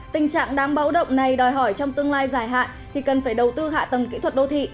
tình trạng đáng báo động này đòi hỏi trong tương lai dài hạn thì cần phải đầu tư hạ tầng kỹ thuật đô thị